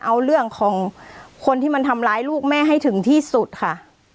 เอาเรื่องของคนที่มันทำร้ายลูกแม่ให้ถึงที่สุดค่ะ